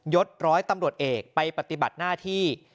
ดร้อยตำรวจเอกไปปฏิบัติหน้าที่